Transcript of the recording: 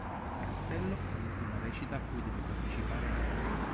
Nel castello ha luogo una recita a cui deve partecipare Anna.